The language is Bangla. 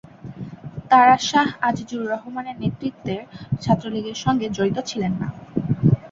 তারা শাহ আজিজুর রহমানের নেতৃত্বের ছাত্রলীগের সঙ্গে জড়িত ছিলেন না।